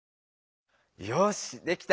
よしできた！